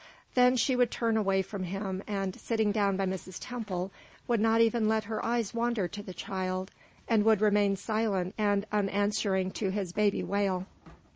Then she would turn away from him, and, sitting down by Mrs. Temple, would not even let her eyes wander to the child, and would remain silent and unanswering to his baby wail.